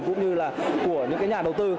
cũng như là của những nhà đầu tư